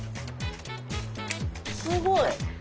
すごい。